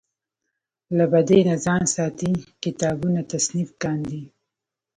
له بدۍ نه ځان ساتي کتابونه تصنیف کاندي.